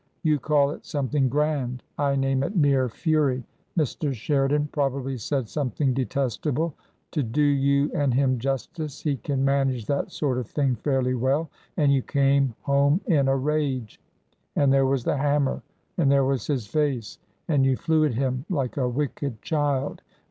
You call it something grand. I name it mere fury. Mr. Sheridan probably said something detestable — to do you and him justice he can manage that sort of thing fairly well — ^and you came home in a rage. And there was the hammer and there was his face. And you flew at him like a wicked child.